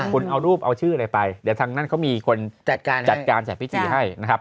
คุณเอารูปเอาชื่ออะไรไปเดี๋ยวทางนั้นเขามีคนจัดการจากพิธีให้